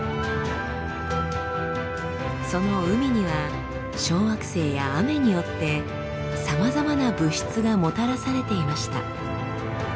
その海には小惑星や雨によってさまざまな物質がもたらされていました。